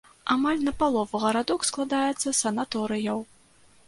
Амаль напалову гарадок складаецца з санаторыяў.